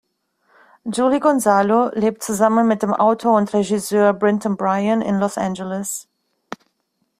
Julie Gonzalo lebt zusammen mit dem Autor und Regisseur Brinton Bryan in Los Angeles.